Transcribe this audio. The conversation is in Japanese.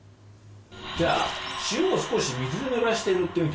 じゃあ塩を少し水で濡らして塗ってみて。